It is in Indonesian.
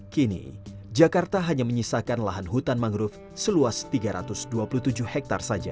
kini jakarta hanya menyisakan lahan hutan mangrove seluas tiga ratus dua puluh tujuh hektare saja